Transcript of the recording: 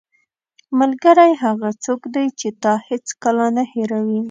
ملګری هغه څوک دی چې تا هیڅکله نه هېروي.